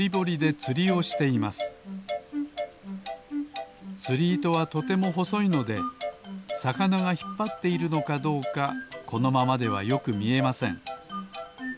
つりいとはとてもほそいのでさかながひっぱっているのかどうかこのままではよくみえません